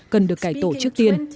cần được cải tổ trước tiên